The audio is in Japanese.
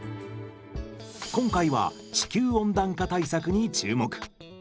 今回は地球温暖化対策に注目。